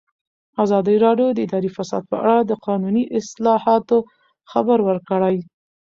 ازادي راډیو د اداري فساد په اړه د قانوني اصلاحاتو خبر ورکړی.